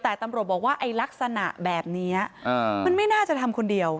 แต่ตำรวจบอกว่าไอ้ลักษณะแบบนี้มันไม่น่าจะทำคนเดียว